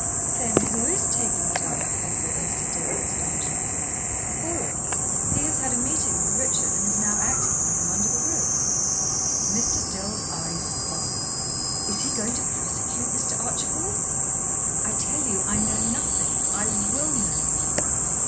"Then who is taking it up?" echoed Mr. Dill, in astonishment. "Ball. He has had a meeting with Richard, and is now acting for him under the rose." Mr. Dill's eyes sparkled. "Is he going to prosecute, Mr. Archibald?" "I tell you I know nothing I will know nothing.